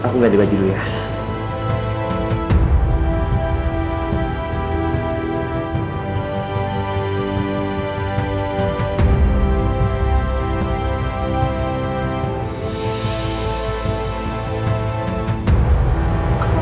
aku minta tolong istilah kamu